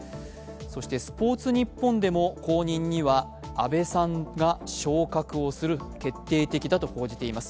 そして「スポーツニッポン」でも後任には阿部さんが昇格する、決定的だと報じています。